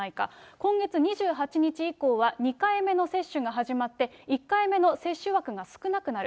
今月２８日以降は、２回目の接種が始まって、１回目の接種枠が少なくなる。